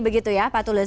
begitu ya pak tulus ya